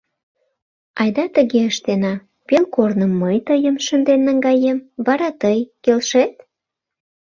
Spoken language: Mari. — Айда тыге ыштена: пел корным мый тыйым шынден наҥгаем, вара тый, келшет?